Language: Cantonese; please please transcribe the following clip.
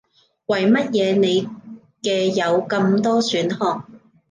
為乜嘢你嘅有咁多選項